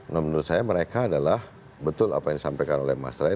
nah menurut saya mereka adalah betul apa yang disampaikan oleh mas ray